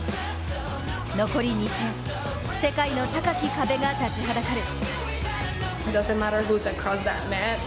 残り２戦、世界の高き壁が立ちはだかる。